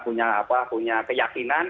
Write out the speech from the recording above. punya apa punya keyakinan